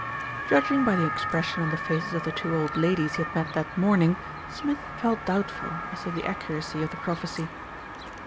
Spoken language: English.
Judging by the expression on the faces of the two old ladies he had met that morning, Smith felt doubt ful as to the accuracy of the prophecy.